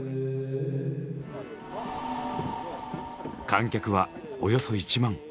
観客はおよそ１万。